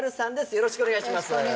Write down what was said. よろしくお願いします